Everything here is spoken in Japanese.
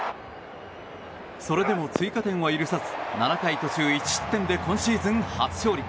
それでも追加点を許さず７回途中１失点で今シーズン初勝利。